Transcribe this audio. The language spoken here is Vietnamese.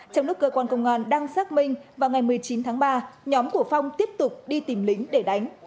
trong lúc cơ quan công an đang xác minh vào ngày một mươi chín tháng ba nhóm của phong tiếp tục đi tìm lính để đánh